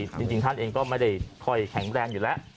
จริงท่านเองก็ไม่ได้ค่อยแข็งแรงอยู่แล้ว